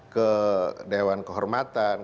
ke dewan kehormatan